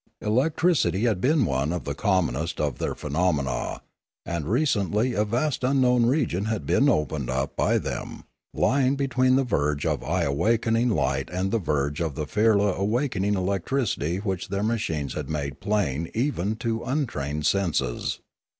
Electricity had been one of the commonest of their phenomena, and recently a vast unknown region had been opened up by them, lying between the verge of eye awakening light and the verge of firla awakening electricity which their machines had made plain even to untrained senses.